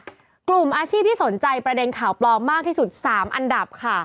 กลุ่มอาชีพที่สนใจประเด็นข่าวปลอมมากที่สุด๓อันดับค่ะ